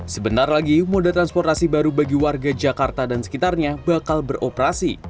sebentar lagi moda transportasi baru bagi warga jakarta dan sekitarnya bakal beroperasi